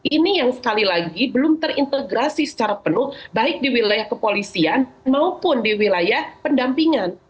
ini yang sekali lagi belum terintegrasi secara penuh baik di wilayah kepolisian maupun di wilayah pendampingan